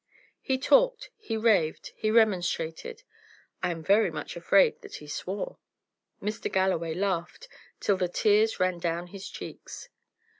He talked, he raved, he remonstrated; I am very much afraid that he swore. Mr. Galloway laughed till the tears ran down his cheeks.